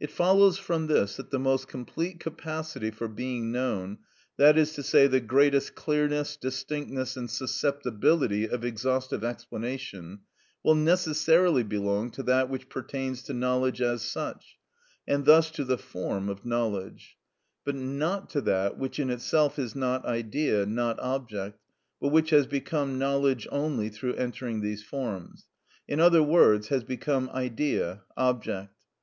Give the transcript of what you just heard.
It follows from this that the most complete capacity for being known, that is to say, the greatest clearness, distinctness, and susceptibility of exhaustive explanation, will necessarily belong to that which pertains to knowledge as such, and thus to the form of knowledge; but not to that which in itself is not idea, not object, but which has become knowledge only through entering these forms; in other words, has become idea, object.